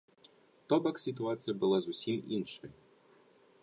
То бок сітуацыя была зусім іншая.